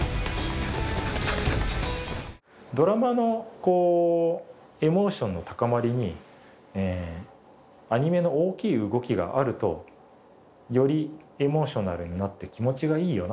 ドラマのこうエモーションの高まりにアニメの大きい動きがあるとよりエモーショナルになって気持ちがいいよなと思ってるんですよね。